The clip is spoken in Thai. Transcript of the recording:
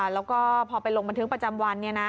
แล้วก็พอไปลงบันทึกประจำวัน